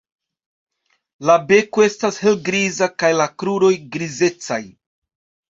La beko estas helgriza kaj la kruroj grizecaj.